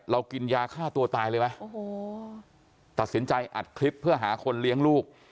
กินยาฆ่าตัวตายเลยไหมโอ้โหตัดสินใจอัดคลิปเพื่อหาคนเลี้ยงลูก